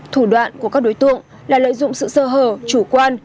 thủ đoạn của các đối tượng là lợi dụng sự sơ hở chủ quan